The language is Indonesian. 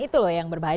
itu loh yang berbahaya